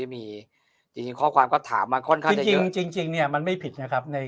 มีจริงข้อความก็ถามมาค่อนข้างคือจริงเนี่ยมันไม่ผิดนะครับ